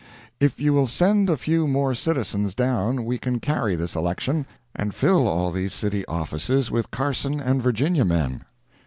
If you will send a few more citizens down we can carry this election, and fill all these city offices with Carson and Virginia men.